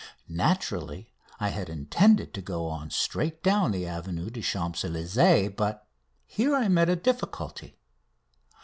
Naturally, I had intended to go on straight down the Avenue des Champs Elysées, but here I met a difficulty.